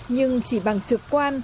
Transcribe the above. nhưng chỉ bằng trực qua